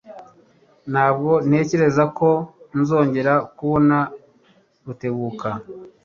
Ntabwo ntekereza ko nzongera kubona Rutebuka.